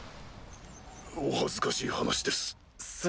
お恥ずかしい話です。